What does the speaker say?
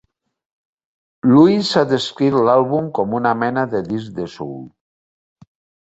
Lewis ha descrit l'àlbum com una "mena de disc de soul".